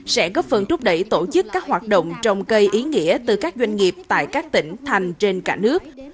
sẽ góp phần trúc đẩy tổ chức các hoạt động trồng cây ý nghĩa từ các doanh nghiệp tại các tỉnh thành trên cả nước